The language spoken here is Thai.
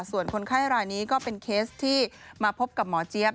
ส่วนคนไข้รายนี้ก็เป็นเคสที่มาพบกับหมอเจี๊ยบ